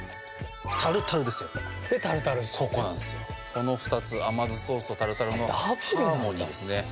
この２つ甘酢ソースとタルタルのハーモニーですね。